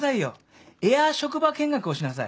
エア職場見学をしなさい。